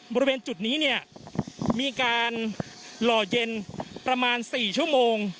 บริเวณจุดนี้เนี่ยมีการหล่อเย็นประมาณ๔ชั่วโมง